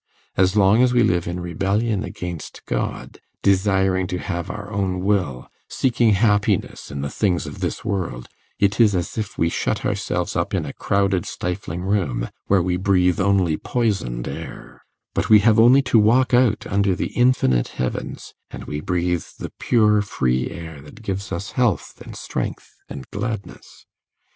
As long as we live in rebellion against God, desiring to have our own will, seeking happiness in the things of this world, it is as if we shut ourselves up in a crowded stifling room, where we breathe only poisoned air; but we have only to walk out under the infinite heavens, and we breathe the pure free air that gives us health, and strength, and gladness.